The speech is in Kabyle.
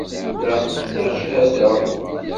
La ttajhadeɣ!